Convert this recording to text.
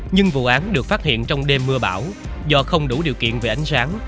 nhưng vụ án được phát hiện trong đêm mưa bão do không đủ điều kiện về ánh sáng